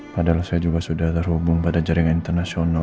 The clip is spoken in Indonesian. padahal saya juga sudah terhubung pada jaringan internasional